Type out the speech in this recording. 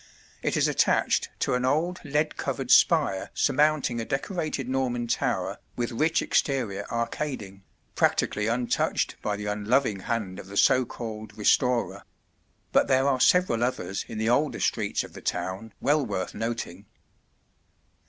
It is attached to an old lead covered spire surmounting a decorated Norman tower with rich exterior arcading, practically untouched by the unloving hand of the so called "restorer"; but there are several others in the older streets of the town well worth noting.